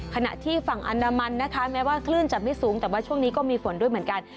ขณะที่ฝั่งอันดามันนะคะแม้ว่าคลื่นจะไม่สูงแต่ว่าช่วงนี้ก็มีฝนด้วยเหมือนกัน